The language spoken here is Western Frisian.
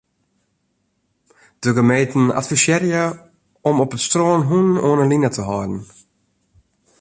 De gemeenten advisearje om op it strân hûnen oan 'e line te hâlden.